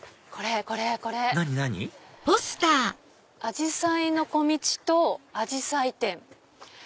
「あじさいの小径とあじさい展」。